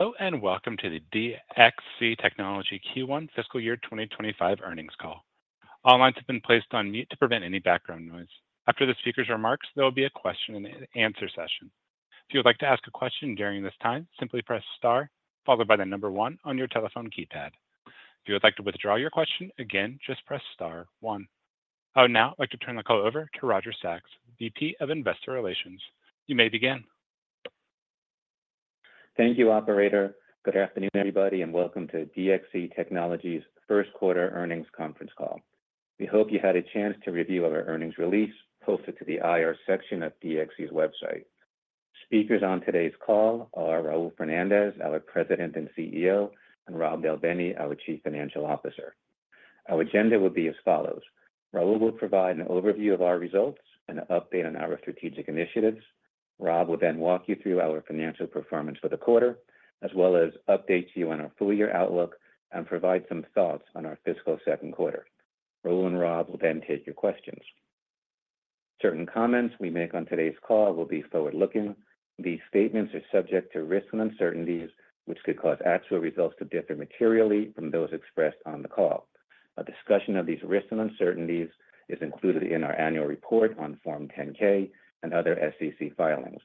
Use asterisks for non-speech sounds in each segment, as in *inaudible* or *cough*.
Hello, and welcome to the DXC Technology Q1 fiscal year 2025 earnings call. All lines have been placed on mute to prevent any background noise. After the speaker's remarks, there will be a question and answer session. If you would like to ask a question during this time, simply press star followed by the number one on your telephone keypad. If you would like to withdraw your question again, just press star one. I would now like to turn the call over to Roger Sachs, VP of Investor Relations. You may begin. Thank you, operator. Good afternoon, everybody, and welcome to DXC Technology's first quarter earnings conference call. We hope you had a chance to review our earnings release posted to the IR section of DXC's website. Speakers on today's call are Raul Fernandez, our President and CEO, and Rob Del Bene, our Chief Financial Officer. Our agenda will be as follows: Raul will provide an overview of our results and an update on our strategic initiatives. Rob will then walk you through our financial performance for the quarter, as well as update you on our full year outlook and provide some thoughts on our fiscal second quarter. Raul and Rob will then take your questions. Certain comments we make on today's call will be forward-looking. These statements are subject to risks and uncertainties, which could cause actual results to differ materially from those expressed on the call. A discussion of these risks and uncertainties is included in our annual report on Form 10-K and other SEC filings.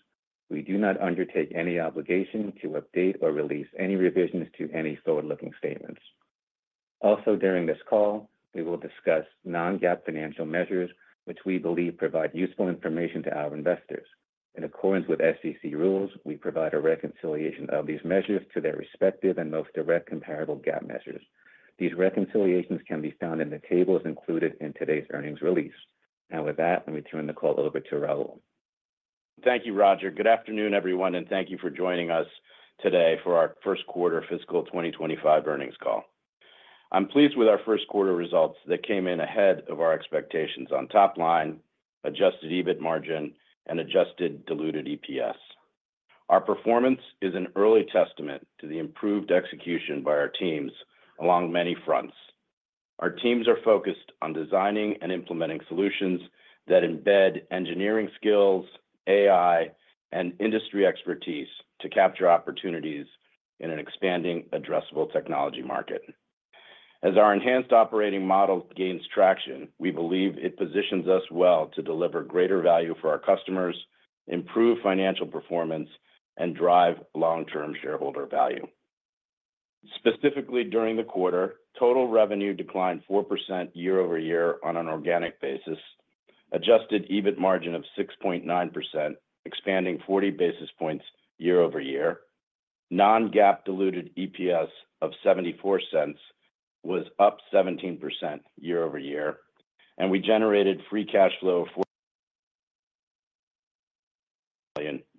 We do not undertake any obligation to update or release any revisions to any forward-looking statements. Also, during this call, we will discuss non-GAAP financial measures, which we believe provide useful information to our investors. In accordance with SEC rules, we provide a reconciliation of these measures to their respective and most direct comparable GAAP measures. These reconciliations can be found in the tables included in today's earnings release. Now, with that, let me turn the call over to Raul. Thank you, Roger. Good afternoon, everyone, and thank you for joining us today for our first quarter fiscal 2025 earnings call. I'm pleased with our first quarter results that came in ahead of our expectations on top line, adjusted EBIT margin, and adjusted diluted EPS. Our performance is an early testament to the improved execution by our teams along many fronts. Our teams are focused on designing and implementing solutions that embed engineering skills, AI, and industry expertise to capture opportunities in an expanding addressable technology market. As our enhanced operating model gains traction, we believe it positions us well to deliver greater value for our customers, improve financial performance, and drive long-term shareholder value. Specifically during the quarter, total revenue declined 4% year-over-year on an organic basis. Adjusted EBIT margin of 6.9%, expanding 40 basis points year-over-year. Non-GAAP diluted EPS of $0.74 was up 17% year-over-year, and we generated free cash flow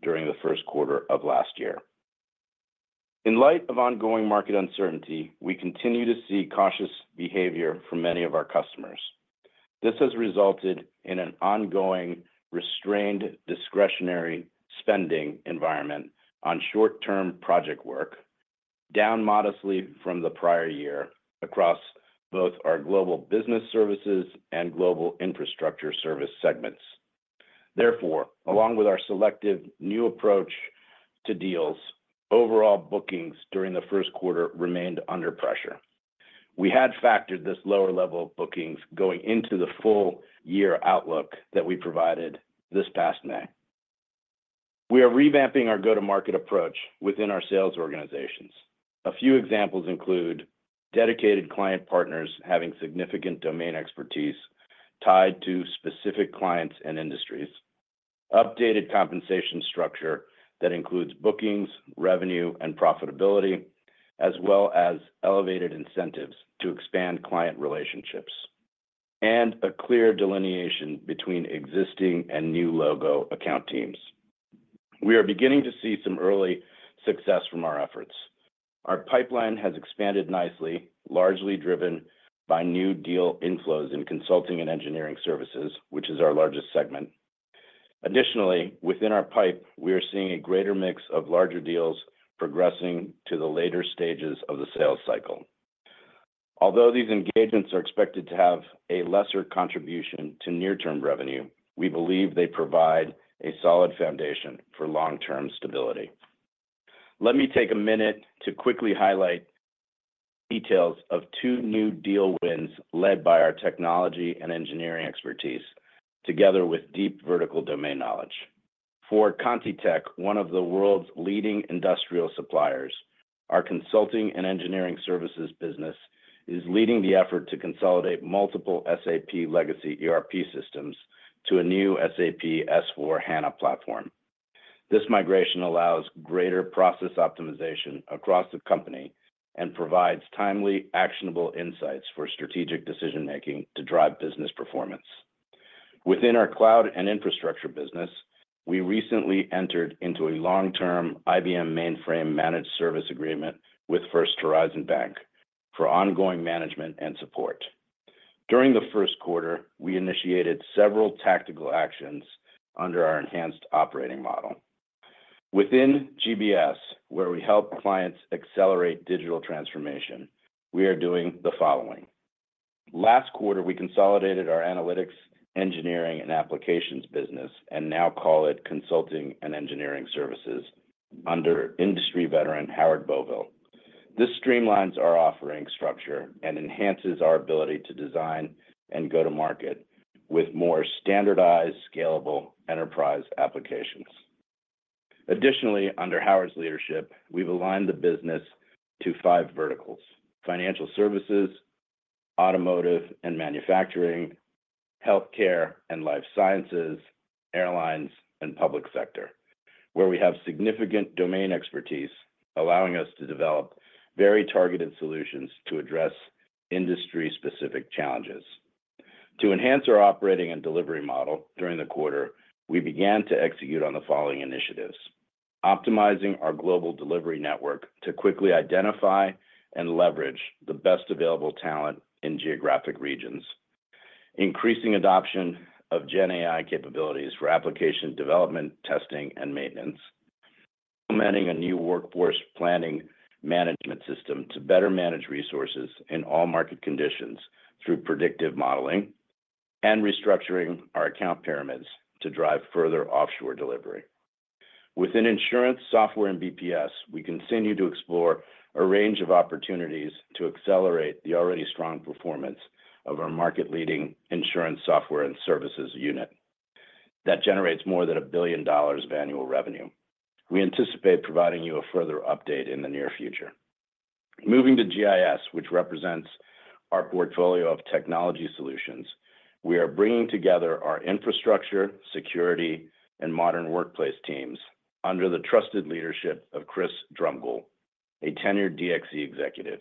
during the first quarter of last year. In light of ongoing market uncertainty, we continue to see cautious behavior from many of our customers. This has resulted in an ongoing restrained, discretionary spending environment on short-term project work, down modestly from the prior year across both our Global Business Services and Global Infrastructure Services segments. Therefore, along with our selective new approach to deals, overall bookings during the first quarter remained under pressure. We had factored this lower level of bookings going into the full year outlook that we provided this past May. We are revamping our go-to-market approach within our sales organizations. A few examples include dedicated client partners having significant domain expertise tied to specific clients and industries, updated compensation structure that includes bookings, revenue, and profitability, as well as elevated incentives to expand client relationships, and a clear delineation between existing and new logo account teams. We are beginning to see some early success from our efforts. Our pipeline has expanded nicely, largely driven by new deal inflows in Consulting and Engineering Services, which is our largest segment. Additionally, within our pipe, we are seeing a greater mix of larger deals progressing to the later stages of the sales cycle. Although these engagements are expected to have a lesser contribution to near-term revenue, we believe they provide a solid foundation for long-term stability. Let me take a minute to quickly highlight details of two new deal wins led by our technology and engineering expertise, together with deep vertical domain knowledge. For ContiTech, one of the world's leading industrial suppliers, our Consulting and Engineering Services business is leading the effort to consolidate multiple SAP legacy ERP systems to a new SAP S/4HANA platform. This migration allows greater process optimization across the company and provides timely, actionable insights for strategic decision-making to drive business performance. Within our cloud and infrastructure business, we recently entered into a long-term IBM mainframe managed service agreement with First Horizon Bank for ongoing management and support. During the first quarter, we initiated several tactical actions under our enhanced operating model. Within GBS, where we help clients accelerate digital transformation, we are doing the following:... Last quarter, we consolidated our analytics, engineering, and applications business and now call it Consulting and Engineering Services under industry veteran, Howard Boville. This streamlines our offering structure and enhances our ability to design and go to market with more standardized, scalable enterprise applications. Additionally, under Howard's leadership, we've aligned the business to five verticals: financial services, automotive and manufacturing, healthcare and life sciences, airlines, and public sector, where we have significant domain expertise, allowing us to develop very targeted solutions to address industry-specific challenges. To enhance our operating and delivery model during the quarter, we began to execute on the following initiatives: optimizing our global delivery network to quickly identify and leverage the best available talent in geographic regions, increasing adoption of GenAI capabilities for application development, testing, and maintenance, implementing a new workforce planning management system to better manage resources in all market conditions through predictive modeling, and restructuring our account pyramids to drive further offshore delivery. Within Insurance, Software, and BPS, we continue to explore a range of opportunities to accelerate the already strong performance of our market-leading insurance software and services unit that generates more than $1 billion of annual revenue. We anticipate providing you a further update in the near future. Moving to GIS, which represents our portfolio of technology solutions, we are bringing together our infrastructure, security, and Modern Workplace teams under the trusted leadership of Chris Drumgoole, a tenured DXC executive.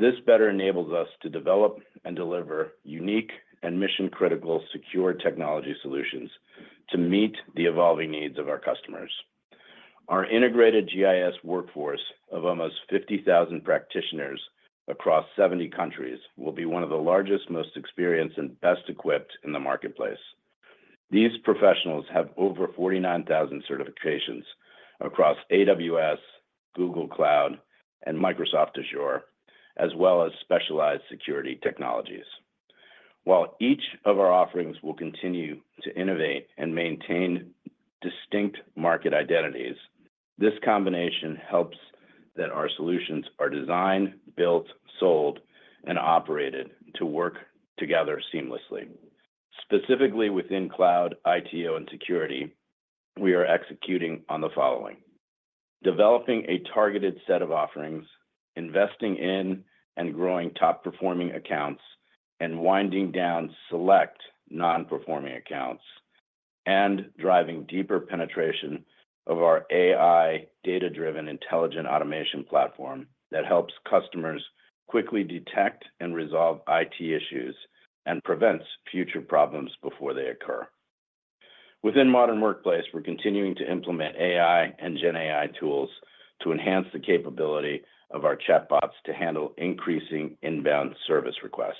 This better enables us to develop and deliver unique and mission-critical secure technology solutions to meet the evolving needs of our customers. Our integrated GIS workforce of almost 50,000 practitioners across 70 countries will be one of the largest, most experienced, and best-equipped in the marketplace. These professionals have over 49,000 certifications across AWS, Google Cloud, and Microsoft Azure, as well as specialized security technologies. While each of our offerings will continue to innovate and maintain distinct market identities, this combination helps that our solutions are designed, built, sold, and operated to work together seamlessly. Specifically within Cloud, ITO, and Security, we are executing on the following: developing a targeted set of offerings, investing in and growing top-performing accounts, and winding down select non-performing accounts, and driving deeper penetration of our AI data-driven intelligent automation platform that helps customers quickly detect and resolve IT issues and prevents future problems before they occur. Within Modern Workplace, we're continuing to implement AI and GenAI tools to enhance the capability of our chatbots to handle increasing inbound service requests.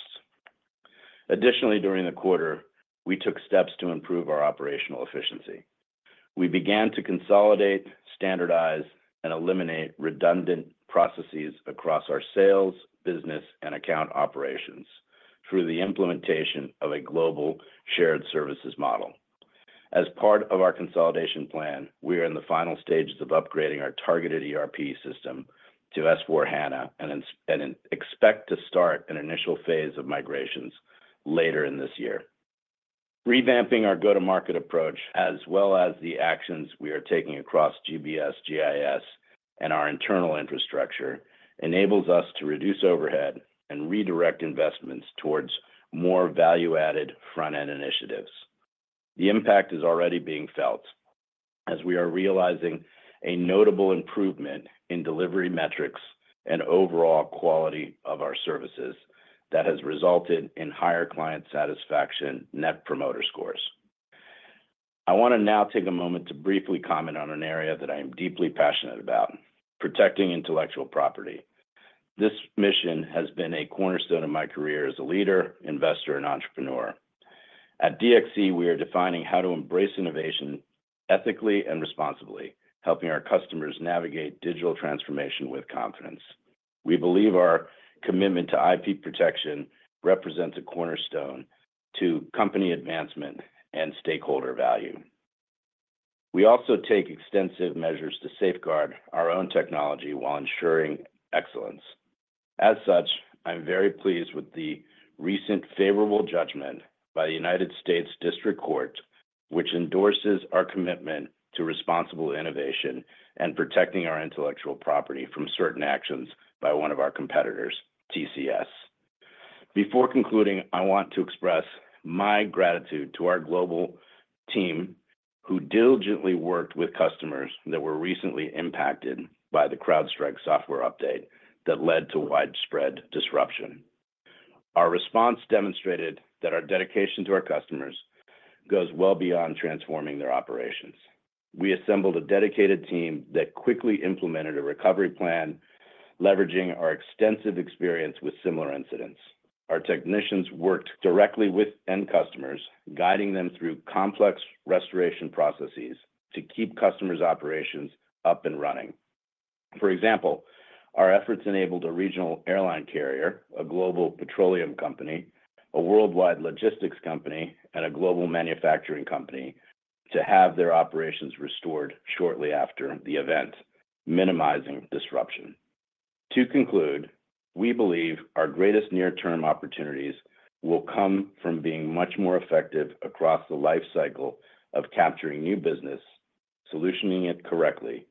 Additionally, during the quarter, we took steps to improve our operational efficiency. We began to consolidate, standardize, and eliminate redundant processes across our sales, business, and account operations through the implementation of a global shared services model. As part of our consolidation plan, we are in the final stages of upgrading our targeted ERP system to S/4HANA and expect to start an initial phase of migrations later in this year. Revamping our go-to-market approach, as well as the actions we are taking across GBS, GIS, and our internal infrastructure, enables us to reduce overhead and redirect investments towards more value-added front-end initiatives. The impact is already being felt as we are realizing a notable improvement in delivery metrics and overall quality of our services that has resulted in higher client satisfaction Net Promoter Scores. I want to now take a moment to briefly comment on an area that I am deeply passionate about, protecting intellectual property. This mission has been a cornerstone of my career as a leader, investor, and entrepreneur. At DXC, we are defining how to embrace innovation ethically and responsibly, helping our customers navigate digital transformation with confidence. We believe our commitment to IP protection represents a cornerstone to company advancement and stakeholder value. We also take extensive measures to safeguard our own technology while ensuring excellence. As such, I'm very pleased with the recent favorable judgment by the United States District Court, which endorses our commitment to responsible innovation and protecting our intellectual property from certain actions by one of our competitors, TCS. Before concluding, I want to express my gratitude to our global team, who diligently worked with customers that were recently impacted by the CrowdStrike software update that led to widespread disruption. Our response demonstrated that our dedication to our customers goes well beyond transforming their operations. We assembled a dedicated team that quickly implemented a recovery plan, leveraging our extensive experience with similar incidents. Our technicians worked directly with end customers, guiding them through complex restoration processes to keep customers' operations up and running. For example, our efforts enabled a regional airline carrier, a global petroleum company, a worldwide logistics company, and a global manufacturing company to have their operations restored shortly after the event, minimizing disruption. To conclude, we believe our greatest near-term opportunities will come from being much more effective across the life cycle of capturing new business, solutioning it correctly,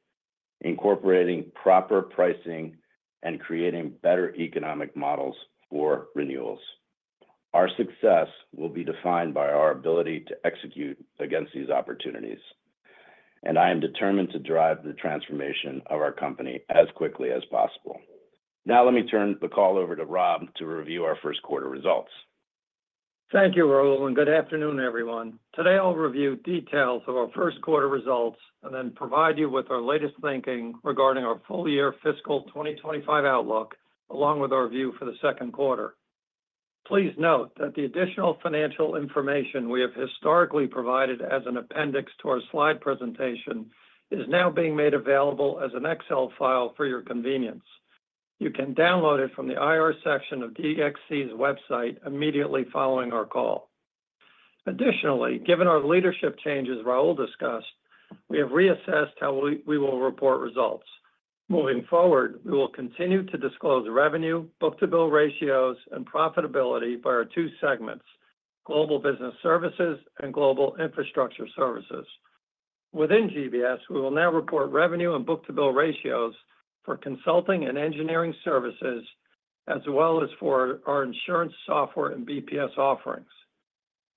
incorporating proper pricing, and creating better economic models for renewals. Our success will be defined by our ability to execute against these opportunities, and I am determined to drive the transformation of our company as quickly as possible. Now, let me turn the call over to Rob to review our first quarter results. Thank you, Raul, and good afternoon, everyone. Today, I'll review details of our first quarter results and then provide you with our latest thinking regarding our full year fiscal 2025 outlook, along with our view for the second quarter. Please note that the additional financial information we have historically provided as an appendix to our slide presentation is now being made available as an Excel file for your convenience. You can download it from the IR section of DXC's website immediately following our call. Additionally, given our leadership changes Raul discussed, we have reassessed how we will report results. Moving forward, we will continue to disclose revenue, book-to-bill ratios, and profitability by our two segments, Global Business Services and Global Infrastructure Services. Within GBS, we will now report revenue and book-to-bill ratios for Consulting and Engineering Services, as well as for our Insurance, Software, and BPS offerings.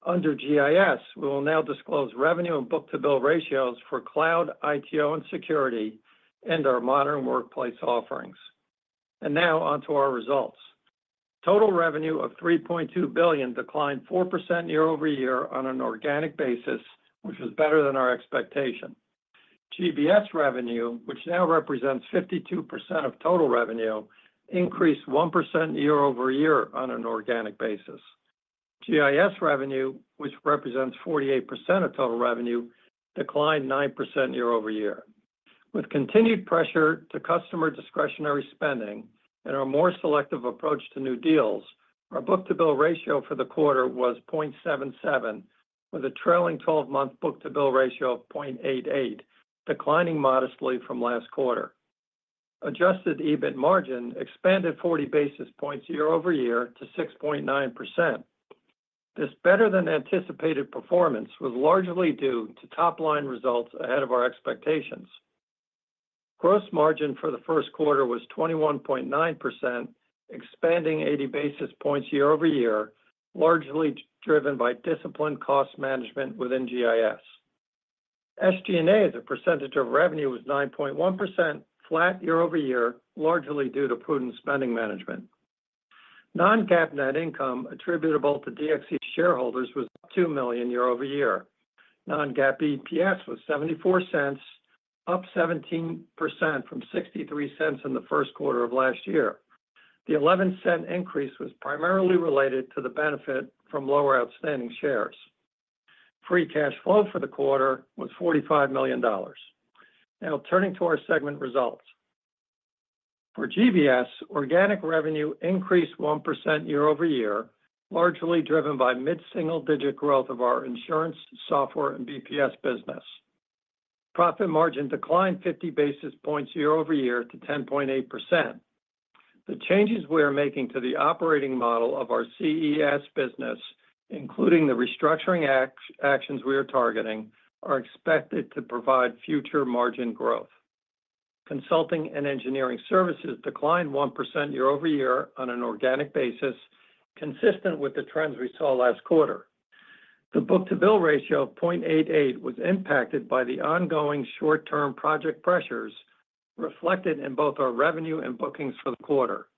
Under GIS, we will now disclose revenue and book-to-bill ratios for Cloud, ITO, and Security and our Modern Workplace offerings. Now onto our results. Total revenue of $3.2 billion declined 4% year-over-year on an organic basis, which was better than our expectation. GBS revenue, which now represents 52% of total revenue, increased 1% year-over-year on an organic basis. GIS revenue, which represents 48% of total revenue, declined 9% year-over-year. With continued pressure to customer discretionary spending and our more selective approach to new deals, our book-to-bill ratio for the quarter was 0.77, with a trailing twelve-month book-to-bill ratio of 0.88, declining modestly from last quarter. Adjusted EBIT margin expanded 40 basis points year-over-year to 6.9%. This better-than-anticipated performance was largely due to top-line results ahead of our expectations. Gross margin for the first quarter was 21.9%, expanding 80 basis points year-over-year, largely driven by disciplined cost management within GIS. SG&A, as a percentage of revenue, was 9.1%, flat year-over-year, largely due to prudent spending management. Non-GAAP net income attributable to DXC shareholders was $2 million year-over-year. Non-GAAP EPS was $0.74, up 17% from $0.63 in the first quarter of last year. The 11-cent increase was primarily related to the benefit from lower outstanding shares. Free cash flow for the quarter was $45 million. Now turning to our segment results. For GBS, organic revenue increased 1% year-over-year, largely driven by mid-single-digit growth of our Insurance, Software, and BPS business. Profit margin declined 50 basis points year-over-year to 10.8%. The changes we are making to the operating model of our CES business, including the restructuring actions we are targeting, are expected to provide future margin growth. Consulting and Engineering Services declined 1% year-over-year on an organic basis, consistent with the trends we saw last quarter. The book-to-bill ratio of 0.88 was impacted by the ongoing short-term project pressures reflected in both our revenue and bookings for the quarter.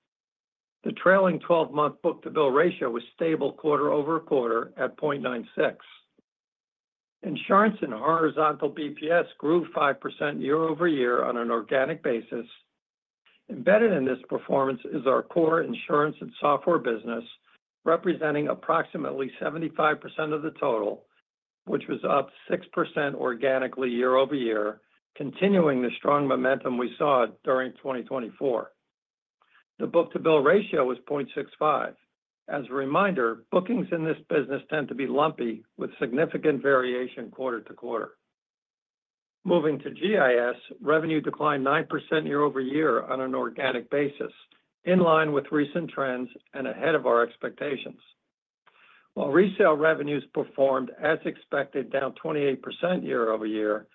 The trailing 12-month book-to-bill ratio was stable quarter-over-quarter at 0.96. Insurance and horizontal BPS grew 5% year-over-year on an organic basis. Embedded in this performance is our core insurance and software business, representing approximately 75% of the total, which was up 6% organically year-over-year, continuing the strong momentum we saw during 2024. The book-to-bill ratio was 0.65. As a reminder, bookings in this business tend to be lumpy, with significant variation quarter to quarter. Moving to GIS, revenue declined 9% year-over-year on an organic basis, in line with recent trends and ahead of our expectations. While resale revenues performed as expected, down 28% year-over-year,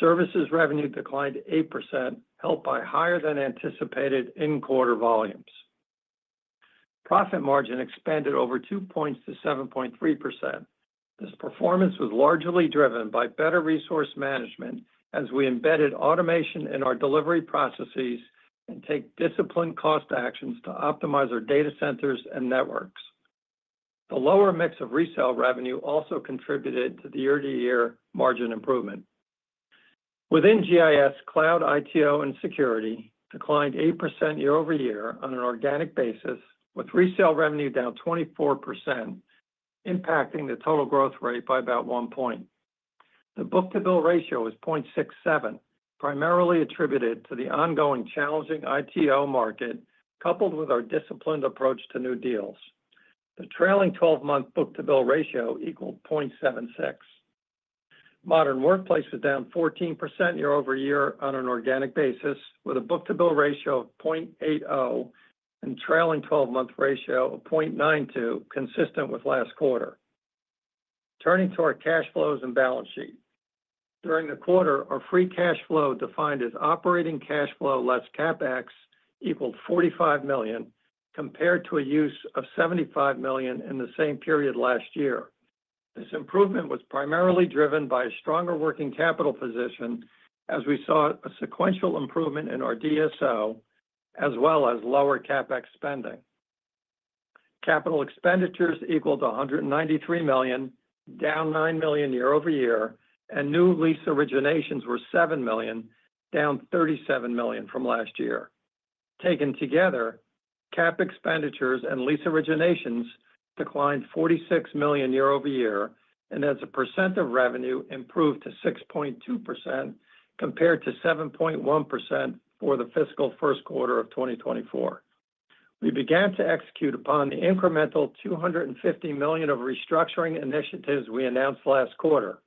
services revenue declined 8%, helped by higher-than-anticipated in-quarter volumes. Profit margin expanded over 2 points to 7.3%. This performance was largely driven by better resource management as we embedded automation in our delivery processes and take disciplined cost actions to optimize our data centers and networks. The lower mix of resale revenue also contributed to the year-to-year margin improvement. Within GIS, Cloud, ITO, and Security declined 8% year-over-year on an organic basis, with resale revenue down 24%, impacting the total growth rate by about 1 point. The book-to-bill ratio is 0.67, primarily attributed to the ongoing challenging ITO market, coupled with our disciplined approach to new deals. The trailing twelve-month book-to-bill ratio equaled 0.76. Modern Workplace was down 14% year-over-year on an organic basis, with a book-to-bill ratio of 0.80, and trailing twelve-month ratio of 0.92, consistent with last quarter. Turning to our cash flows and balance sheet. During the quarter, our free cash flow, defined as operating cash flow less CapEx, equaled $45 million, compared to a use of $75 million in the same period last year. This improvement was primarily driven by a stronger working capital position, as we saw a sequential improvement in our DSO, as well as lower CapEx spending. Capital expenditures equaled $193 million, down $9 million year-over-year, and new lease originations were $7 million, down $37 million from last year. Taken together, CapEx expenditures and lease originations declined $46 million year-over-year, and as a percent of revenue, improved to 6.2%, compared to 7.1% for the fiscal first quarter of 2024. We began to execute upon the incremental $250 million of restructuring initiatives we announced last quarter.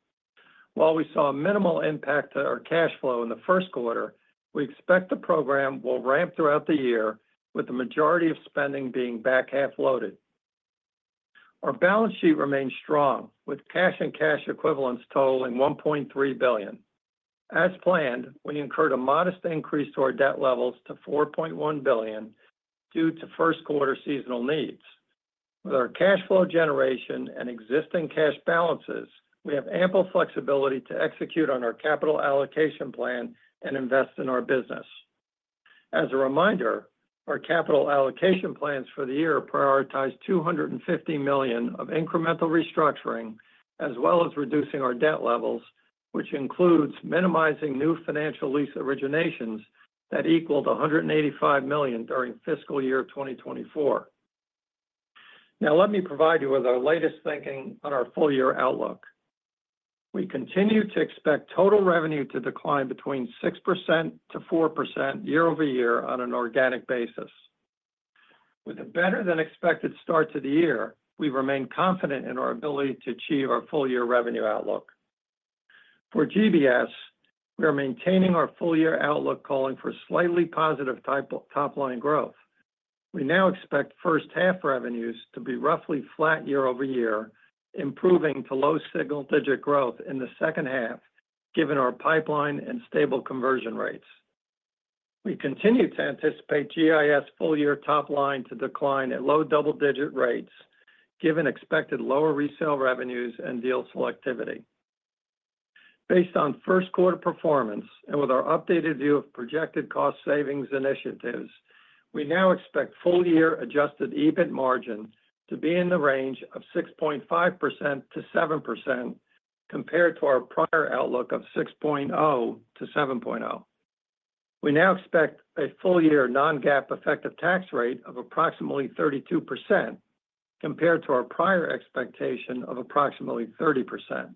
While we saw a minimal impact to our cash flow in the first quarter, we expect the program will ramp throughout the year, with the majority of spending being back-half loaded. Our balance sheet remains strong, with cash and cash equivalents totaling $1.3 billion. As planned, we incurred a modest increase to our debt levels to $4.1 billion due to first quarter seasonal needs. With our cash flow generation and existing cash balances, we have ample flexibility to execute on our capital allocation plan and invest in our business. As a reminder, our capital allocation plans for the year prioritize $250 million of incremental restructuring, as well as reducing our debt levels, which includes minimizing new financial lease originations that equaled $185 million during fiscal year 2024. Now, let me provide you with our latest thinking on our full-year outlook. We continue to expect total revenue to decline between 6% to 4% year-over-year on an organic basis. With a better-than-expected start to the year, we remain confident in our ability to achieve our full-year revenue outlook. For GBS, we are maintaining our full-year outlook, calling for slightly positive top-line growth. We now expect first half revenues to be roughly flat year-over-year, improving to low single-digit growth in the second half, given our pipeline and stable conversion rates. We continue to anticipate GIS full-year top line to decline at low double-digit rates, given expected lower resale revenues and deal selectivity. Based on first quarter performance, and with our updated view of projected cost savings initiatives, we now expect full-year adjusted EBIT margin to be in the range of 6.5%-7%, compared to our prior outlook of 6.0-7.0. We now expect a full-year non-GAAP effective tax rate of approximately 32%, compared to our prior expectation of approximately 30%.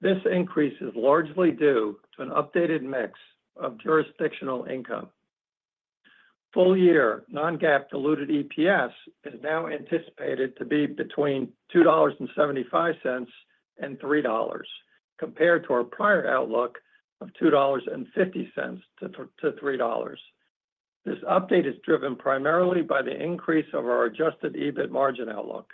This increase is largely due to an updated mix of jurisdictional income. Full-year non-GAAP diluted EPS is now anticipated to be between $2.75 and $3, compared to our prior outlook of $2.50-$3. This update is driven primarily by the increase of our adjusted EBIT margin outlook.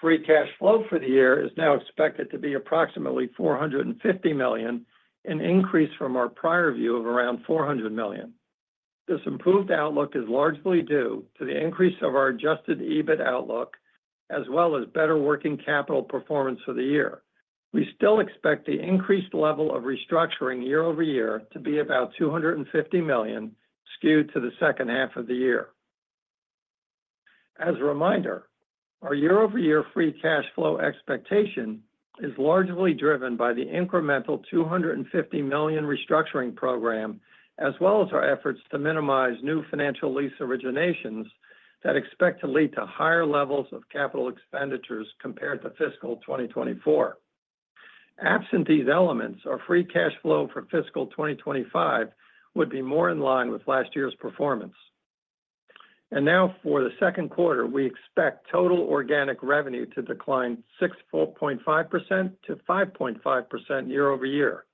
Free cash flow for the year is now expected to be approximately $450 million, an increase from our prior view of around $400 million. This improved outlook is largely due to the increase of our adjusted EBIT outlook, as well as better working capital performance for the year. We still expect the increased level of restructuring year-over-year to be about $250 million, skewed to the second half of the year. As a reminder, our year-over-year free cash flow expectation is largely driven by the incremental $250 million restructuring program, as well as our efforts to minimize new financial lease originations that expect to lead to higher levels of capital expenditures compared to fiscal 2024. Absent these elements, our free cash flow for fiscal 2025 would be more in line with last year's performance. And now, for the second quarter, we expect total organic revenue to decline 6.5%-5.5% year-over-year.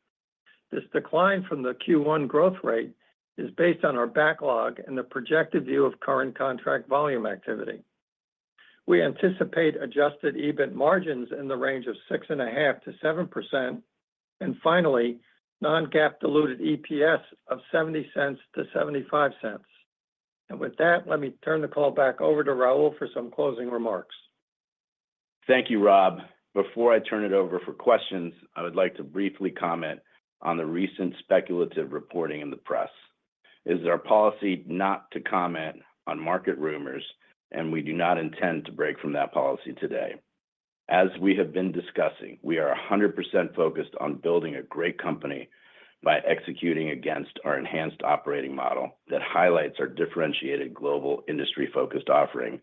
This decline from the Q1 growth rate is based on our backlog and the projected view of current contract volume activity. We anticipate adjusted EBIT margins in the range of 6.5%-7%, and finally, non-GAAP diluted EPS of $0.70-$0.75. With that, let me turn the call back over to Raul for some closing remarks. Thank you, Rob. Before I turn it over for questions, I would like to briefly comment on the recent speculative reporting in the press. It is our policy not to comment on market rumors, and we do not intend to break from that policy today. As we have been discussing, we are 100% focused on building a great company by executing against our enhanced operating model that highlights our differentiated global industry-focused offering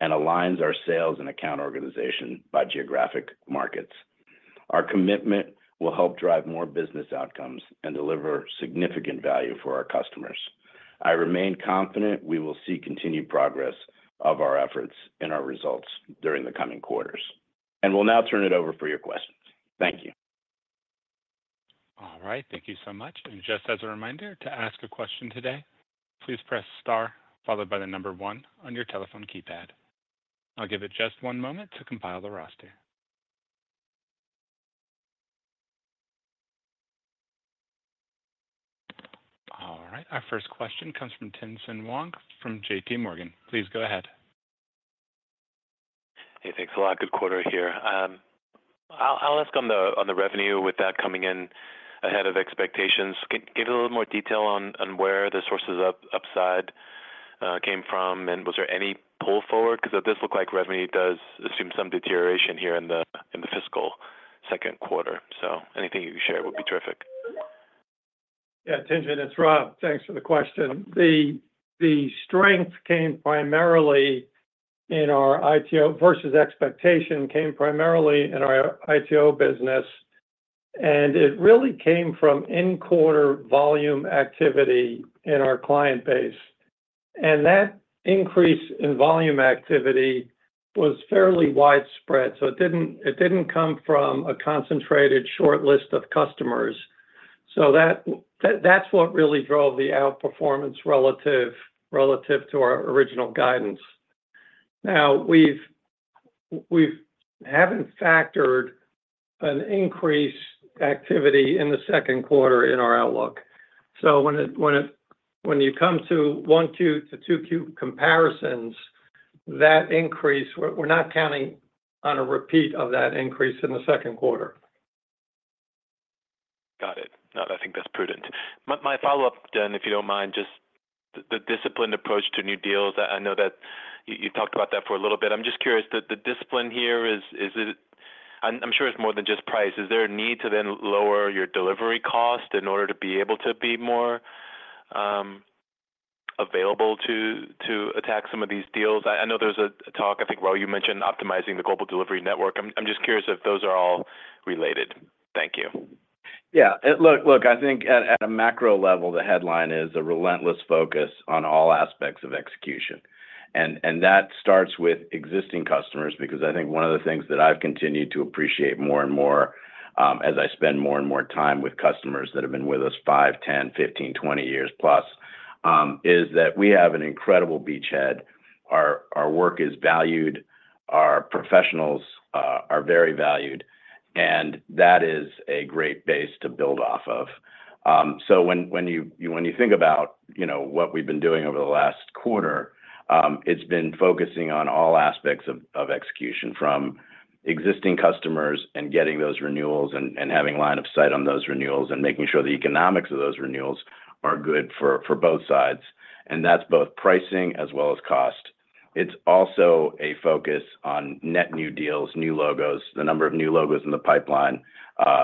and aligns our sales and account organization by geographic markets.... Our commitment will help drive more business outcomes and deliver significant value for our customers. I remain confident we will see continued progress of our efforts and our results during the coming quarters. We'll now turn it over for your questions. Thank you. All right. Thank you so much, and just as a reminder, to ask a question today, please press star followed by the number one on your telephone keypad. I'll give it just one moment to compile the roster. All right, our first question comes from Tien-tsin Huang from JPMorgan. Please go ahead. Hey, thanks a lot. Good quarter here. I'll ask on the revenue with that coming in ahead of expectations. Can you give a little more detail on where the sources of upside came from, and was there any pull forward? 'Cause this look like revenue does assume some deterioration here in the fiscal second quarter. So anything you can share would be terrific. Yeah, Tien-tsin, it's Rob. Thanks for the question. The strength came primarily in our ITO versus expectation in our ITO business, and it really came from in-quarter volume activity in our client base. That increase in volume activity was fairly widespread, so it didn't come from a concentrated short list of customers. That's what really drove the outperformance relative to our original guidance. Now, we haven't factored an increase activity in the second quarter in our outlook. So when you come to 1Q to 2Q comparisons, that increase, we're not counting on a repeat of that increase in the second quarter. Got it. No, I think that's prudent. My follow-up then, if you don't mind, just the disciplined approach to new deals. I know that you talked about that for a little bit. I'm just curious, the discipline here is it. I'm sure it's more than just price. Is there a need to then lower your delivery cost in order to be able to be more available to attack some of these deals? I know there's a talk, I think, Raul, you mentioned optimizing the global delivery network. I'm just curious if those are all related. Thank you. Yeah. Look, look, I think at a macro level, the headline is a relentless focus on all aspects of execution, and that starts with existing customers. Because I think one of the things that I've continued to appreciate more and more, as I spend more and more time with customers that have been with us five, 10, 15, 20 years plus, is that we have an incredible beachhead. Our work is valued, our professionals are very valued, and that is a great base to build off of. So when you think about, you know, what we've been doing over the last quarter, it's been focusing on all aspects of execution from existing customers and getting those renewals and having line of sight on those renewals and making sure the economics of those renewals are good for both sides. That's both pricing as well as cost. It's also a focus on net new deals, new logos. The number of new logos in the pipeline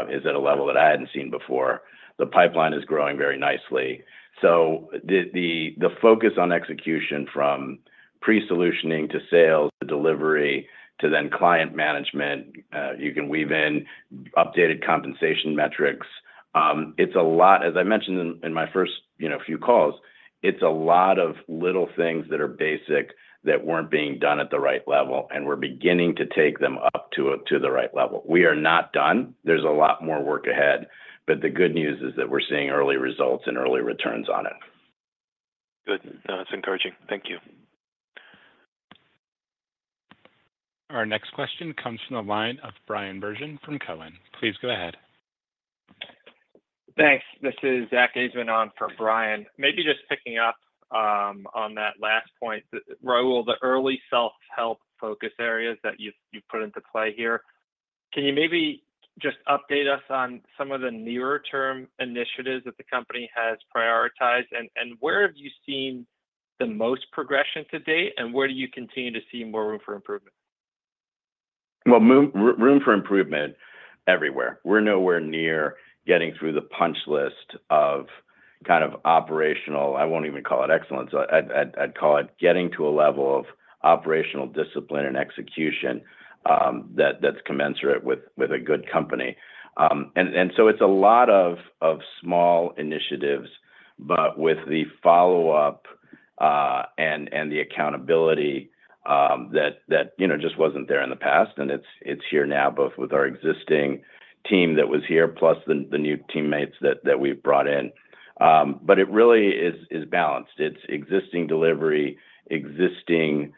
is at a level that I hadn't seen before. The pipeline is growing very nicely. So the focus on execution from pre-solutioning to sales, to delivery, to then client management, you can weave in updated compensation metrics. It's a lot... As I mentioned in my first, you know, few calls, it's a lot of little things that are basic that weren't being done at the right level, and we're beginning to take them up to the right level. We are not done. There's a lot more work ahead, but the good news is that we're seeing early results and early returns on it. Good. No, that's encouraging. Thank you. Our next question comes from the line of Bryan Bergin from TD Cowen. Please go ahead. Thanks. This is Zack Ajzenman on for Bryan. Maybe just picking up on that last point, Raul, the early self-help focus areas that you've put into play here, can you maybe just update us on some of the nearer term initiatives that the company has prioritized? And where have you seen the most progression to date, and where do you continue to see more room for improvement? Well, room for improvement everywhere. We're nowhere near getting through the punch list of kind of operational. I won't even call it excellence. I'd call it getting to a level of operational discipline and execution that that's commensurate with a good company. And so it's a lot of small initiatives, but with the follow-up and the accountability that you know just wasn't there in the past, and it's here now, both with our existing team that was here, plus the new teammates that we've brought in. But it really is balanced. It's existing delivery, existing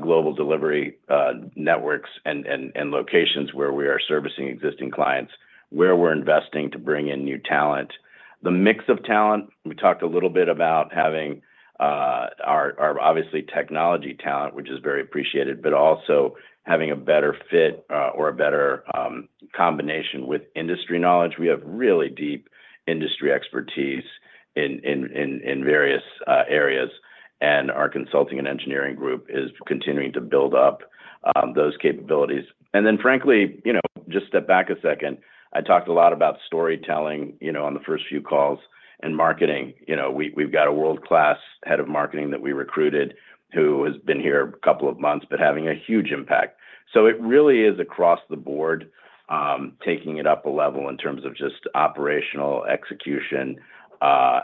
global delivery networks and locations where we are servicing existing clients, where we're investing to bring in new talent. The mix of talent, we talked a little bit about having our obviously technology talent, which is very appreciated, but also having a better fit or a better combination with industry knowledge. We have really deep industry expertise in various areas, and our Consulting and Engineering group is continuing to build up those capabilities. And then, frankly, you know, just step back a second. I talked a lot about storytelling, you know, on the first few calls and marketing. You know, we’ve got a world-class head of marketing that we recruited, who has been here a couple of months, but having a huge impact. So it really is across the board, taking it up a level in terms of just operational execution.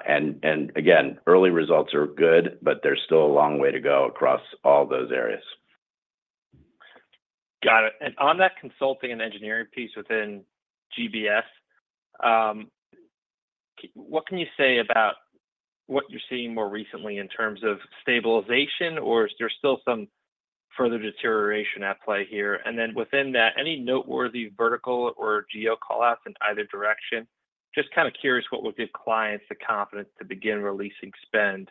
Again, early results are good, but there's still a long way to go across all those areas. Got it. And on that Consulting and Engineering piece within GBS, what can you say about what you're seeing more recently in terms of stabilization, or is there still some further deterioration at play here? And then within that, any noteworthy vertical or geo call-outs in either direction? Just kind of curious what will give clients the confidence to begin releasing spend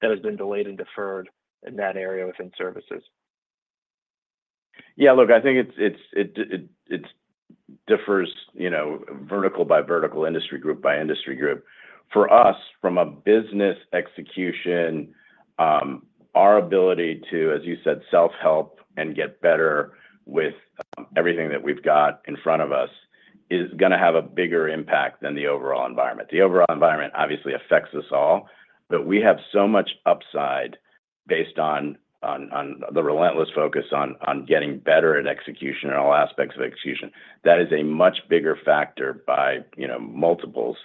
that has been delayed and deferred in that area within services. Yeah, look, I think it differs, you know, vertical by vertical, industry group by industry group. For us, from a business execution, our ability to, as you said, self-help and get better with everything that we've got in front of us, is gonna have a bigger impact than the overall environment. The overall environment obviously affects us all, but we have so much upside based on the relentless focus on getting better at execution and all aspects of execution. That is a much bigger factor by, you know, multiples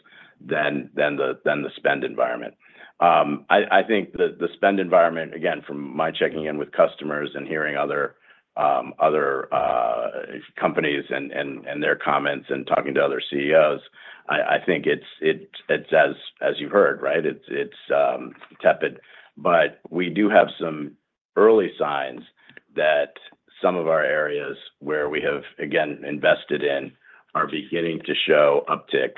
than the spend environment. I think the spend environment, again, from my checking in with customers and hearing other companies and their comments and talking to other CEOs, I think it's as you've heard, right? It's tepid, but we do have some early signs that some of our areas where we have, again, invested in, are beginning to show uptick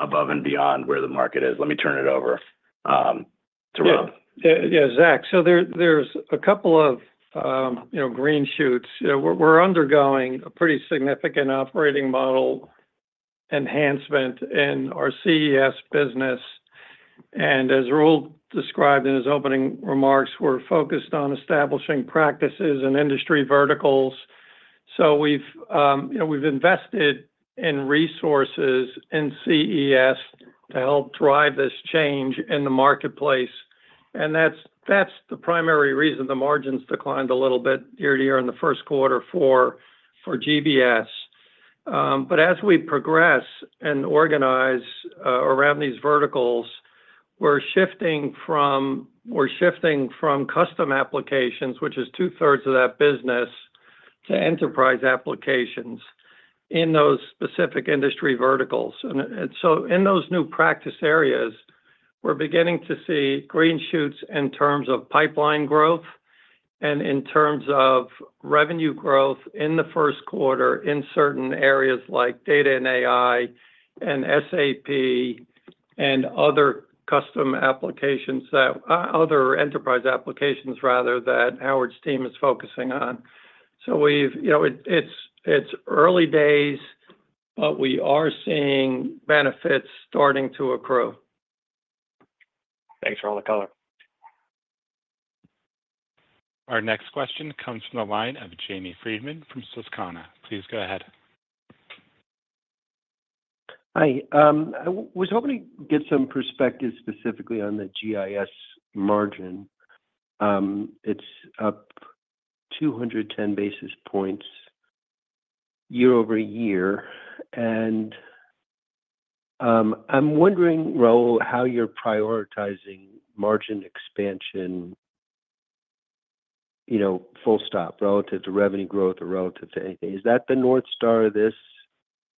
above and beyond where the market is. Let me turn it over to Rob. Yeah. Yeah, Zack, so there, there's a couple of, you know, green shoots. We're, we're undergoing a pretty significant operating model enhancement in our CES business, and as Raul described in his opening remarks, we're focused on establishing practices and industry verticals. So we've, you know, we've invested in resources in CES to help drive this change in the marketplace, and that's, that's the primary reason the margins declined a little bit year-over-year in the first quarter for, for GBS. But as we progress and organize, around these verticals, we're shifting from... We're shifting from custom applications, which is two-thirds of that business, to enterprise applications in those specific industry verticals. And so in those new practice areas, we're beginning to see green shoots in terms of pipeline growth and in terms of revenue growth in the first quarter in certain areas like data and AI and SAP and other custom applications that other enterprise applications, rather, that Howard's team is focusing on. So, you know, it's early days, but we are seeing benefits starting to accrue. Thanks for all the color. Our next question comes from the line of Jamie Friedman from Susquehanna. Please go ahead. Hi. I was hoping to get some perspective specifically on the GIS margin. It's up 210 basis points year-over-year, and I'm wondering, Raul, how you're prioritizing margin expansion, you know, full stop, relative to revenue growth or relative to anything. Is that the North Star of this?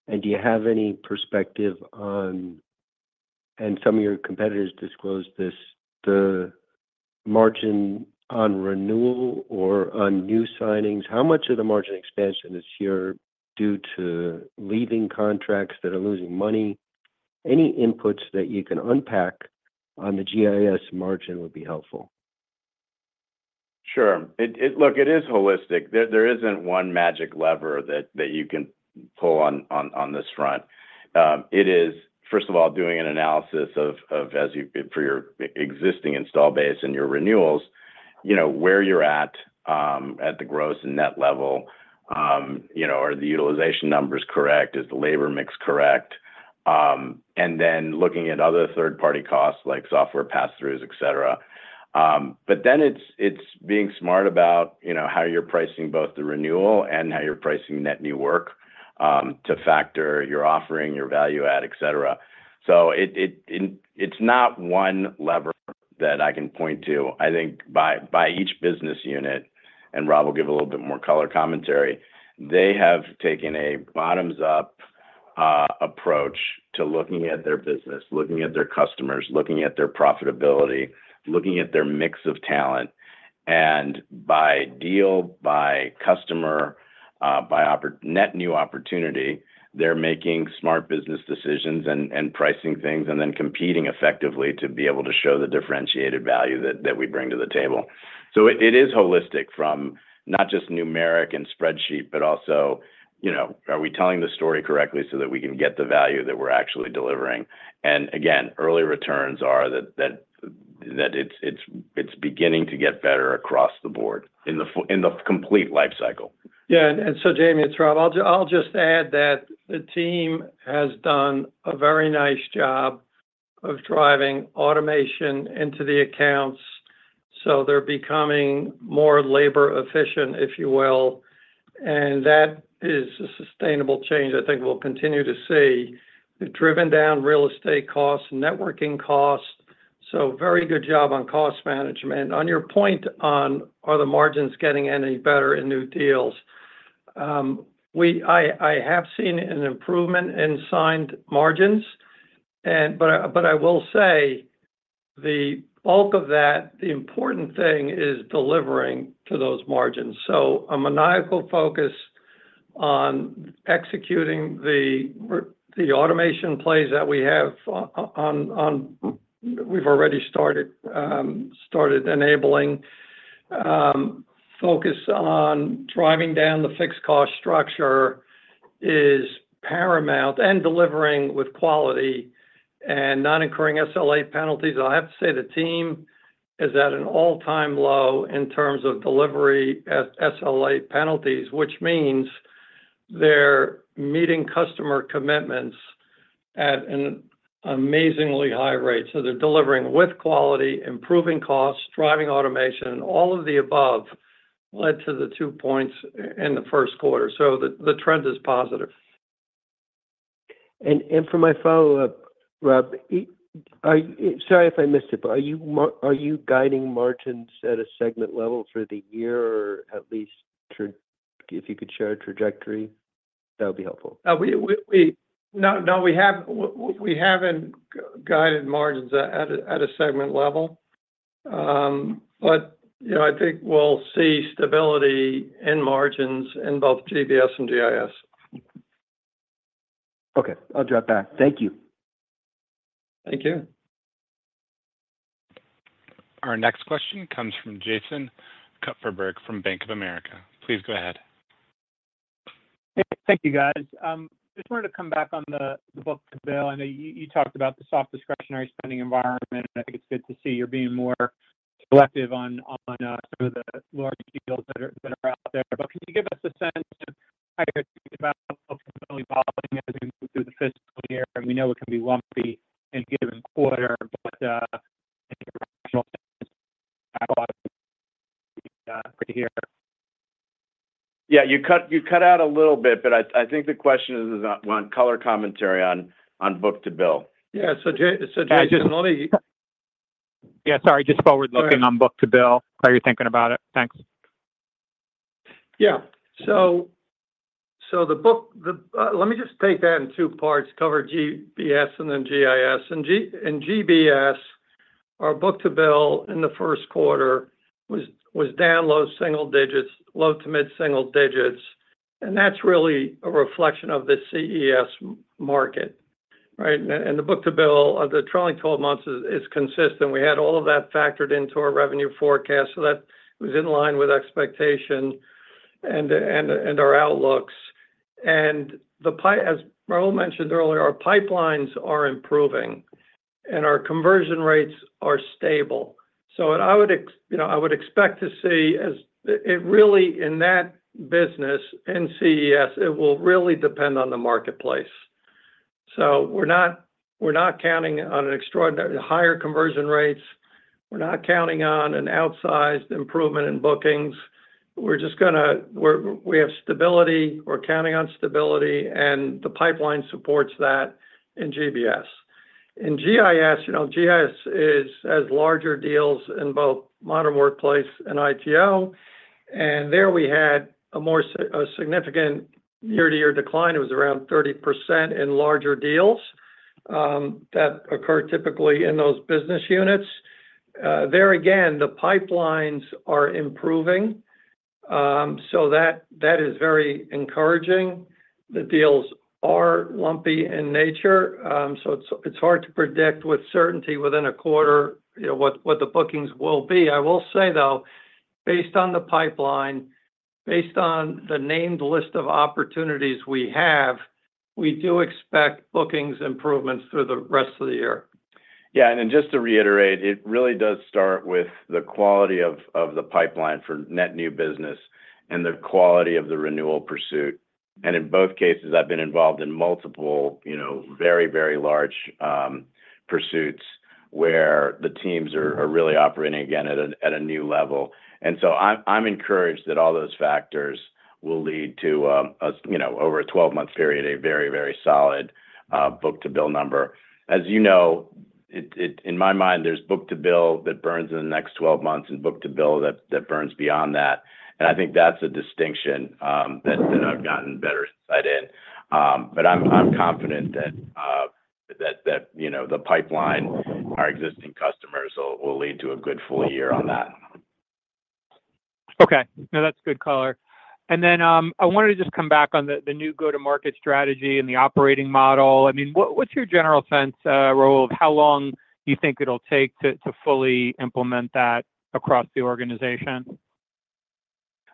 And do you have any perspective on... And some of your competitors disclosed this, the margin on renewal or on new signings, how much of the margin expansion is here due to leaving contracts that are losing money? Any inputs that you can unpack on the GIS margin would be helpful. Sure. Look, it is holistic. There isn't one magic lever that you can pull on this front. It is, first of all, doing an analysis of your existing install base and your renewals, you know, where you're at, at the gross and net level. You know, are the utilization numbers correct? Is the labor mix correct? And then looking at other third-party costs, like software pass-throughs, et cetera. But then it's being smart about, you know, how you're pricing both the renewal and how you're pricing net new work, to factor your offering, your value add, et cetera. So it's not one lever that I can point to. I think by each business unit, and Rob will give a little bit more color commentary, they have taken a bottoms-up approach to looking at their business, looking at their customers, looking at their profitability, looking at their mix of talent, and by deal, by customer, by opportunity, net new opportunity, they're making smart business decisions and pricing things, and then competing effectively to be able to show the differentiated value that we bring to the table. So it is holistic from not just numeric and spreadsheet, but also, you know, are we telling the story correctly so that we can get the value that we're actually delivering? And again, early returns are that it's beginning to get better across the board in the complete life cycle. Yeah, and so Jamie, it's Rob. I'll just add that the team has done a very nice job of driving automation into the accounts, so they're becoming more labor efficient, if you will, and that is a sustainable change I think we'll continue to see. They've driven down real estate costs, networking costs, so very good job on cost management. On your point on are the margins getting any better in new deals? I have seen an improvement in signed margins, but I will say the bulk of that, the important thing is delivering to those margins. So a maniacal focus on executing the automation plays that we have on, we've already started enabling. Focus on driving down the fixed cost structure is paramount, and delivering with quality and not incurring SLA penalties. I have to say the team is at an all-time low in terms of delivery at SLA penalties, which means they're meeting customer commitments at an amazingly high rate. So they're delivering with quality, improving costs, driving automation. All of the above led to the 2 points in the first quarter, so the trend is positive. And for my follow-up, Rob, sorry if I missed it, but are you guiding margins at a segment level for the year, or at least if you could share a trajectory, that would be helpful. We haven't guided margins at a segment level. But, you know, I think we'll see stability in margins in both GBS and GIS. Okay, I'll drop back. Thank you. Thank you. Our next question comes from Jason Kupferberg from Bank of America. Please go ahead. Thank you, guys. Just wanted to come back on the book-to-bill. I know you talked about the soft discretionary spending environment, and I think it's good to see you're being more selective on some of the large deals that are out there. But can you give us a sense of how you're thinking about ultimately evolving as we move through the fiscal year? And we know it can be lumpy in a given quarter, but Yeah, you cut out a little bit, but I think the question is on color commentary on book-to-bill. Yeah, so Jason. I just- *crosstalk* Yeah, sorry, just forward-looking- All right.... on book-to-bill, how you're thinking about it? Thanks. Yeah. So the book, the... Let me just take that in two parts, cover GBS and then GIS. And GBS, our book-to-bill in the first quarter was down low single digits, low to mid single digits, and that's really a reflection of the CES market, right? And the book-to-bill of the trailing twelve months is consistent. We had all of that factored into our revenue forecast, so that was in line with expectation and our outlooks. And the pipeline, as Raul mentioned earlier, our pipelines are improving, and our conversion rates are stable. So what I would expect, you know, I would expect to see is, it really, in that business, in CES, it will really depend on the marketplace. So we're not counting on an extraordinary higher conversion rates. We're not counting on an outsized improvement in bookings. We're just gonna. We have stability, we're counting on stability, and the pipeline supports that in GBS. In GIS, you know, GIS has larger deals in both Modern Workplace and ITO, and there we had a more significant year-to-year decline. It was around 30% in larger deals that occur typically in those business units. There again, the pipelines are improving, so that is very encouraging. The deals are lumpy in nature, so it's hard to predict with certainty within a quarter, you know, what the bookings will be. I will say, though, based on the pipeline, based on the named list of opportunities we have, we do expect bookings improvements through the rest of the year. Yeah, and just to reiterate, it really does start with the quality of the pipeline for net new business and the quality of the renewal pursuit. And in both cases, I've been involved in multiple, you know, very, very large pursuits where the teams are really operating again at a new level. And so I'm encouraged that all those factors will lead to, you know, over a 12-month period, a very, very solid book-to-bill number. As you know, in my mind, there's book-to-bill that burns in the next 12 months, and book-to-bill that burns beyond that. And I think that's a distinction that I've gotten better insight in. But I'm confident that, you know, the pipeline, our existing customers will lead to a good full year on that. Okay. No, that's good color. And then, I wanted to just come back on the new go-to-market strategy and the operating model. I mean, what's your general sense, Raul, of how long you think it'll take to fully implement that across the organization?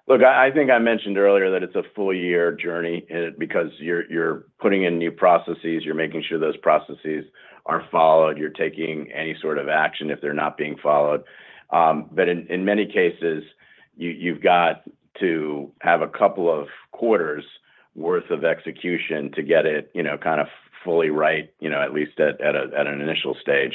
Look, I think I mentioned earlier that it's a full-year journey because you're putting in new processes, you're making sure those processes are followed, you're taking any sort of action if they're not being followed. But in many cases, you've got to have a couple of quarters worth of execution to get it, you know, kind of fully right, you know, at least at an initial stage.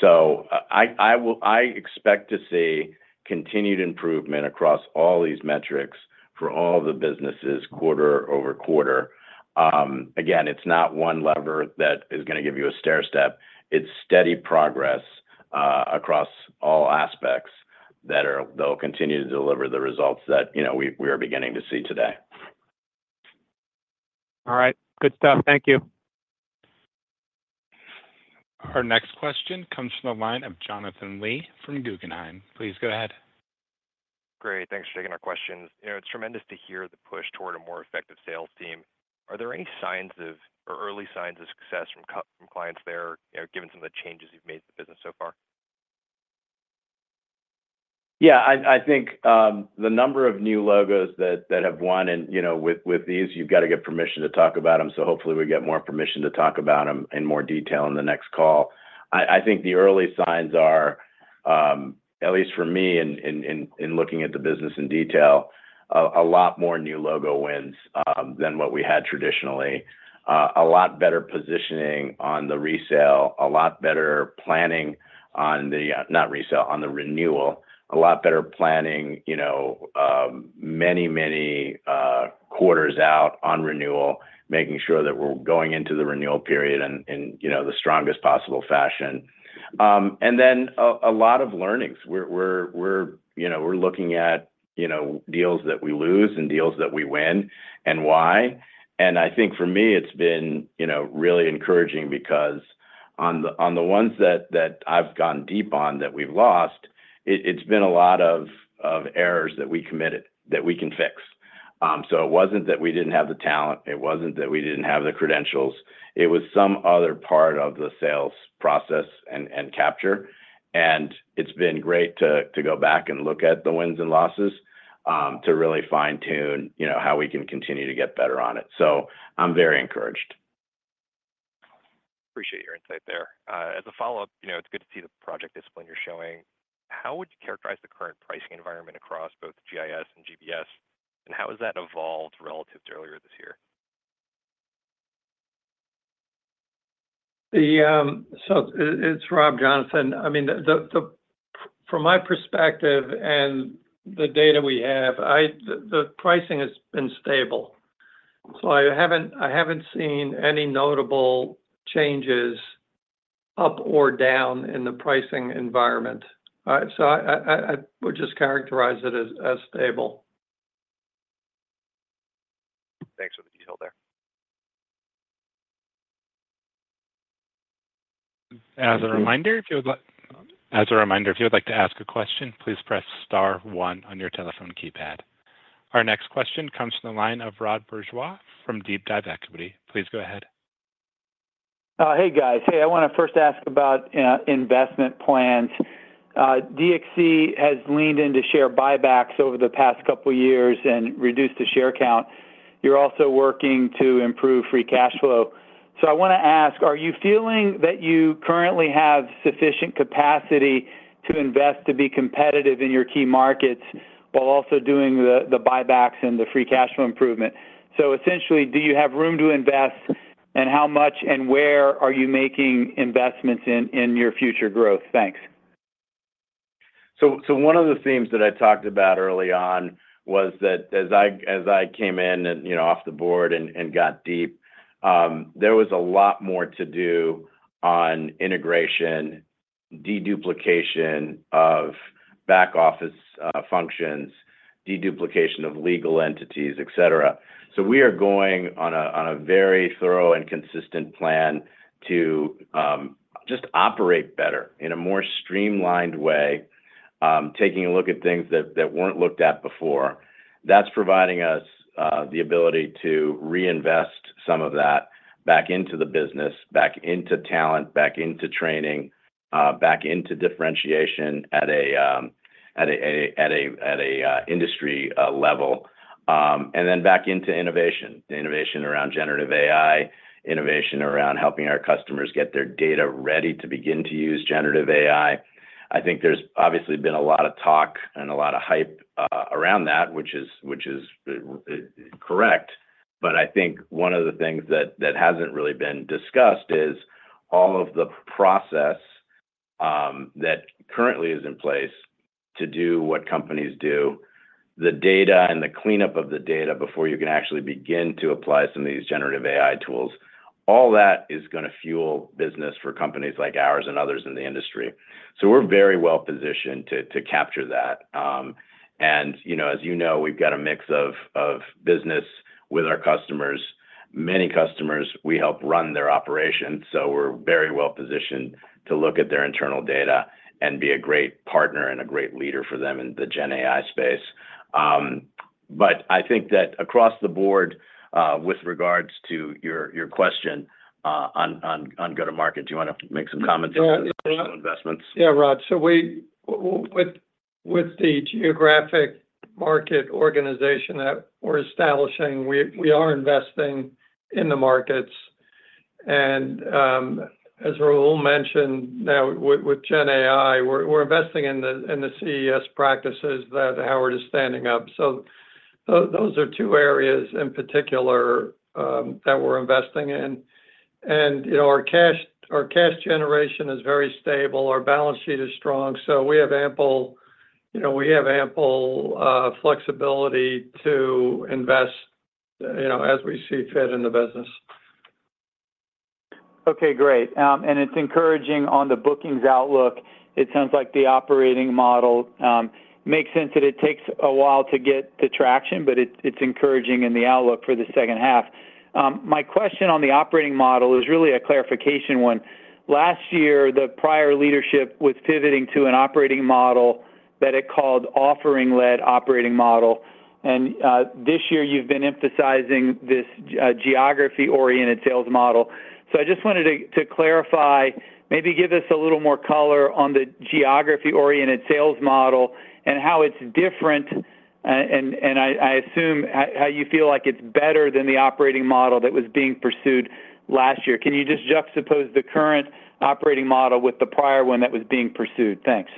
So I expect to see continued improvement across all these metrics for all the businesses quarter-over-quarter. Again, it's not one lever that is gonna give you a stairstep, it's steady progress across all aspects that are. They'll continue to deliver the results that, you know, we are beginning to see today. All right. Good stuff. Thank you. Our next question comes from the line of Jonathan Lee from Guggenheim. Please go ahead. Great. Thanks for taking our questions. You know, it's tremendous to hear the push toward a more effective sales team. Are there any signs of or early signs of success from clients there, you know, given some of the changes you've made to the business so far? Yeah, I think the number of new logos that have won and, you know, with these, you've got to get permission to talk about them, so hopefully we get more permission to talk about them in more detail in the next call. I think the early signs are at least for me in looking at the business in detail, a lot more new logo wins than what we had traditionally. A lot better positioning on the resale, a lot better planning on the not resale, on the renewal. A lot better planning, you know, many, many quarters out on renewal, making sure that we're going into the renewal period in, you know, the strongest possible fashion. And then a lot of learnings. We're looking at, you know, deals that we lose and deals that we win and why. And I think for me, it's been, you know, really encouraging because on the ones that I've gone deep on that we've lost, it's been a lot of errors that we committed that we can fix. So it wasn't that we didn't have the talent, it wasn't that we didn't have the credentials, it was some other part of the sales process and capture. And it's been great to go back and look at the wins and losses to really fine-tune, you know, how we can continue to get better on it. So I'm very encouraged. Appreciate your insight there. As a follow-up, you know, it's good to see the project discipline you're showing. How would you characterize the current pricing environment across both GIS and GBS, and how has that evolved relative to earlier this year? So it's Rob, Jonathan. I mean, from my perspective and the data we have, the pricing has been stable, so I haven't seen any notable changes up or down in the pricing environment. So I would just characterize it as stable. Thanks for the detail there. As a reminder, if you would like to ask a question, please press star one on your telephone keypad. Our next question comes from the line of Rod Bourgeois from DeepDive Equity. Please go ahead. Hey, guys. Hey, I wanna first ask about investment plans. DXC has leaned into share buybacks over the past couple of years and reduced the share count. You're also working to improve free cash flow. So I wanna ask, are you feeling that you currently have sufficient capacity to invest to be competitive in your key markets, while also doing the, the buybacks and the free cash flow improvement? So essentially, do you have room to invest, and how much and where are you making investments in, in your future growth? Thanks. So one of the themes that I talked about early on was that as I came in and, you know, off the board and got deep, there was a lot more to do on integration, deduplication of back office functions, deduplication of legal entities, et cetera. So we are going on a very thorough and consistent plan to just operate better in a more streamlined way, taking a look at things that weren't looked at before. That's providing us the ability to reinvest some of that back into the business, back into talent, back into training, back into differentiation at a industry level, and then back into innovation. Innovation around generative AI, innovation around helping our customers get their data ready to begin to use generative AI. I think there's obviously been a lot of talk and a lot of hype around that, which is, which is, correct, but I think one of the things that, that hasn't really been discussed is all of the process that currently is in place to do what companies do, the data and the cleanup of the data before you can actually begin to apply some of these generative AI tools. All that is gonna fuel business for companies like ours and others in the industry. So we're very well positioned to, to capture that. And, you know, as you know, we've got a mix of, of business with our customers. Many customers, we help run their operations, so we're very well positioned to look at their internal data and be a great partner and a great leader for them in the GenAI space. But I think that across the board, with regards to your question, on go-to-market, do you want to make some comments into the investments? Yeah, Rod. So with the geographic market organization that we're establishing, we are investing in the markets. And as Raul mentioned, now with GenAI, we're investing in the CES practices that Howard is standing up. So those are two areas in particular that we're investing in. And, you know, our cash generation is very stable. Our balance sheet is strong, so we have ample, you know, we have ample flexibility to invest, you know, as we see fit in the business. Okay, great. And it's encouraging on the bookings outlook. It sounds like the operating model makes sense that it takes a while to get the traction, but it's encouraging in the outlook for the second half. My question on the operating model is really a clarification one. Last year, the prior leadership was pivoting to an operating model that it called offering-led operating model, and this year you've been emphasizing this geography-oriented sales model. So I just wanted to clarify, maybe give us a little more color on the geography-oriented sales model and how it's different, and I assume how you feel like it's better than the operating model that was being pursued last year. Can you just juxtapose the current operating model with the prior one that was being pursued? Thanks.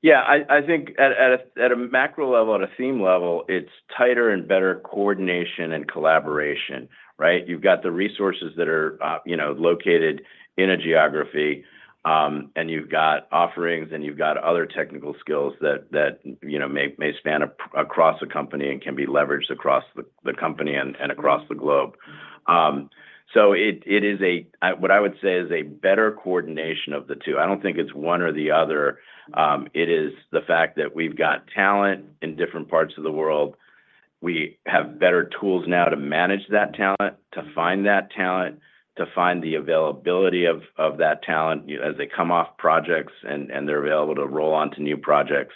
Yeah, I think at a macro level, at a theme level, it's tighter and better coordination and collaboration, right? You've got the resources that are, you know, located in a geography, and you've got offerings, and you've got other technical skills that, you know, may span across the company and can be leveraged across the company and across the globe. So it is a what I would say is a better coordination of the two. I don't think it's one or the other. It is the fact that we've got talent in different parts of the world. We have better tools now to manage that talent, to find that talent, to find the availability of that talent, you know, as they come off projects and they're available to roll on to new projects.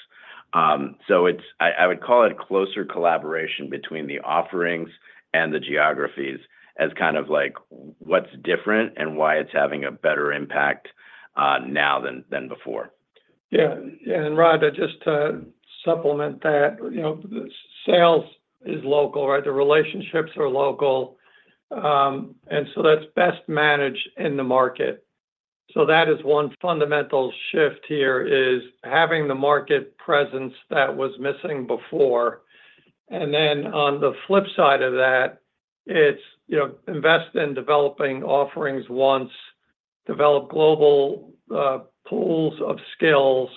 So, I would call it closer collaboration between the offerings and the geographies as kind of like what's different and why it's having a better impact now than before. Yeah. And Rod, just to supplement that, you know, sales is local, right? The relationships are local. And so that's best managed in the market. So that is one fundamental shift here, is having the market presence that was missing before. And then on the flip side of that, it's, you know, invest in developing offerings once, develop global, pools of skills.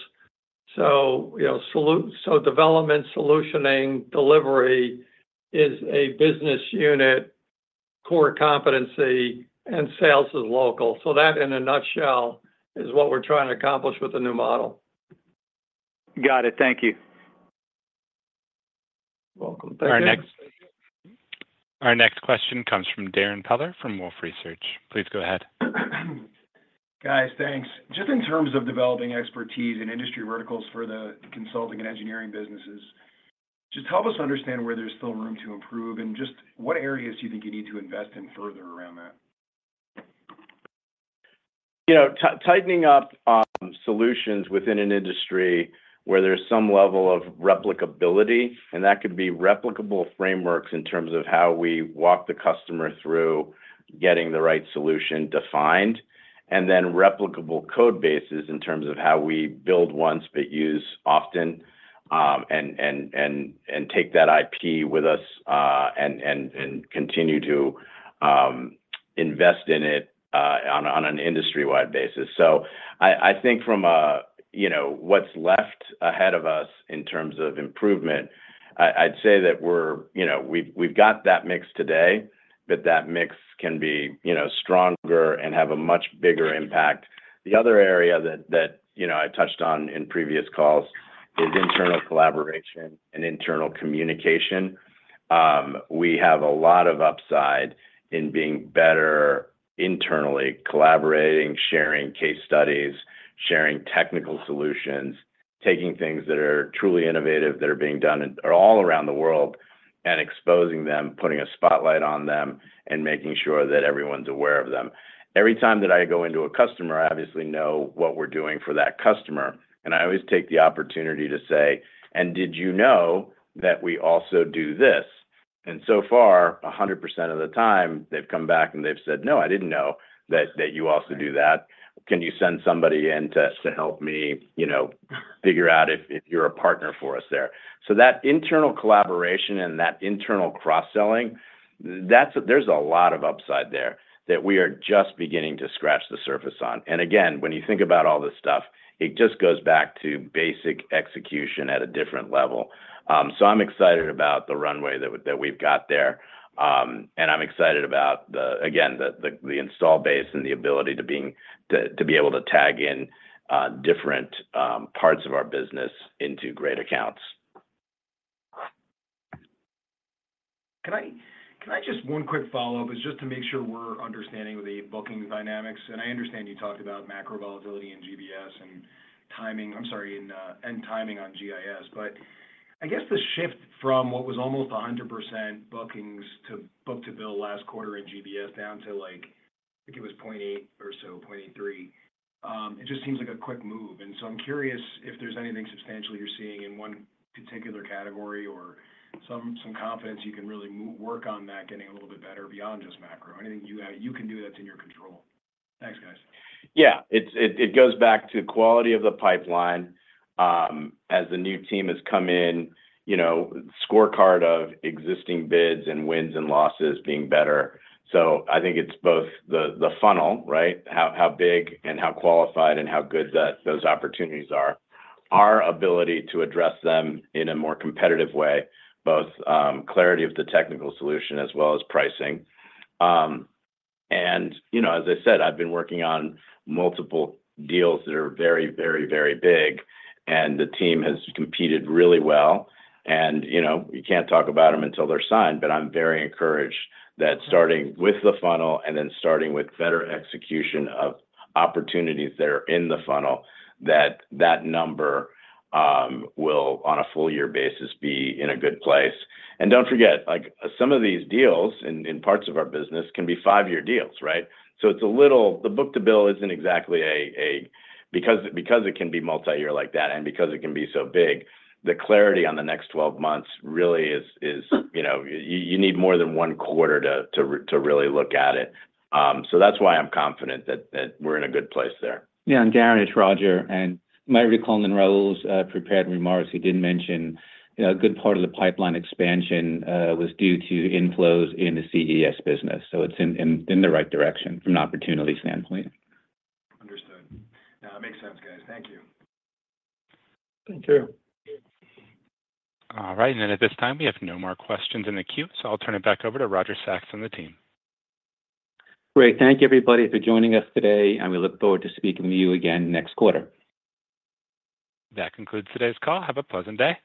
So, you know, development, solutioning, delivery is a business unit, core competency, and sales is local. So that, in a nutshell, is what we're trying to accomplish with the new model. Got it. Thank you. Welcome. *crosstalk* Our next question comes from Darrin Peller from Wolfe Research. Please go ahead. Guys, thanks. Just in terms of developing expertise in industry verticals for the Consulting and Engineering businesses, just help us understand where there's still room to improve, and just what areas do you think you need to invest in further around that? You know, tightening up on solutions within an industry where there's some level of replicability, and that could be replicable frameworks in terms of how we walk the customer through getting the right solution defined, and then replicable code bases in terms of how we build once, but use often, and take that IP with us, and continue to invest in it, on an industry-wide basis. So I think from a, you know, what's left ahead of us in terms of improvement, I'd say that we're, you know, we've got that mix today, but that mix can be, you know, stronger and have a much bigger impact. The other area that, you know, I touched on in previous calls is internal collaboration and internal communication. We have a lot of upside in being better internally, collaborating, sharing case studies, sharing technical solutions, taking things that are truly innovative, that are being done all around the world, and exposing them, putting a spotlight on them, and making sure that everyone's aware of them. Every time that I go into a customer, I obviously know what we're doing for that customer, and I always take the opportunity to say, "And did you know that we also do this?" And so far, 100% of the time, they've come back, and they've said, "No, I didn't know that, that you also do that. Can you send somebody in to, to help me, you know, figure out if, if you're a partner for us there?" So that internal collaboration and that internal cross-selling, that's, there's a lot of upside there that we are just beginning to scratch the surface on. And again, when you think about all this stuff, it just goes back to basic execution at a different level. So I'm excited about the runway that we, that we've got there. And I'm excited about the, again, the install base and the ability to, to be able to tag in, different, parts of our business into great accounts. Can I just... One quick follow-up, is just to make sure we're understanding the booking dynamics, and I understand you talked about macro volatility in GBS and timing—I'm sorry, in and timing on GIS. But I guess the shift from what was almost 100% bookings to book-to-bill last quarter in GBS down to, like... I think it was 0.8 or so, 0.83. It just seems like a quick move, and so I'm curious if there's anything substantial you're seeing in one particular category or some confidence you can really more work on that getting a little bit better beyond just macro? Anything you can do that's in your control. Thanks, guys. Yeah. It goes back to quality of the pipeline. As the new team has come in, you know, scorecard of existing bids and wins and losses being better. So I think it's both the funnel, right? How big and how qualified and how good those opportunities are. Our ability to address them in a more competitive way, clarity of the technical solution as well as pricing. You know, as I said, I've been working on multiple deals that are very, very, very big, and the team has competed really well. You know, you can't talk about them until they're signed, but I'm very encouraged that starting with the funnel and then starting with better execution of opportunities that are in the funnel, that number will, on a full year basis, be in a good place. Don't forget, like, some of these deals in parts of our business can be 5-year deals, right? So it's a little... The book-to-bill isn't exactly a because it can be multi-year like that, and because it can be so big, the clarity on the next 12 months really is, you know, you need more than one quarter to really look at it. So that's why I'm confident that we're in a good place there. Yeah, and Gary, it's Roger, and my recall in Raul's prepared remarks, he did mention a good part of the pipeline expansion was due to inflows in the CES business, so it's in the right direction from an opportunity standpoint. Understood. Now, it makes sense, guys. Thank you. Thank you. All right. And then at this time, we have no more questions in the queue, so I'll turn it back over to Roger Sachs and the team. Great. Thank you, everybody, for joining us today, and we look forward to speaking with you again next quarter. That concludes today's call. Have a pleasant day.